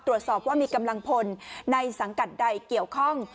ตรวจสอบว่ามีกำลังพลในสังกัดใดเกี่ยวข้อง